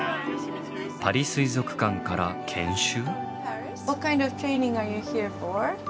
パリ水族館から研修？